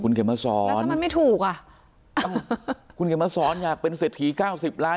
คุณแค่มาซ้อนแล้วถ้ามันไม่ถูกอ่ะคุณแค่มาซ้อนอยากเป็นเศรษฐีเก้าสิบล้าน